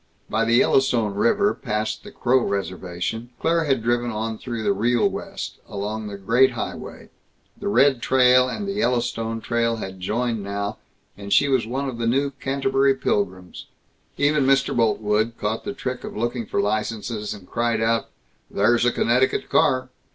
By the Yellowstone River, past the Crow reservation, Claire had driven on through the Real West, along the Great Highway. The Red Trail and the Yellowstone Trail had joined now and she was one of the new Canterbury Pilgrims. Even Mr. Boltwood caught the trick of looking for licenses, and cried, "There's a Connecticut car!"